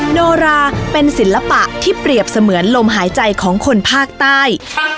โนราเป็นศิลปะที่เปรียบเสมือนลมหายใจของคนภาคใต้